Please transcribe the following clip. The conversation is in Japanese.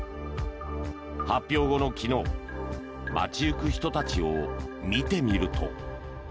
発表後の昨日、街行く人たちを見てみると。